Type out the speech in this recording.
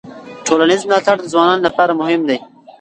ټولنیز ملاتړ د ځوانانو لپاره مهم دی.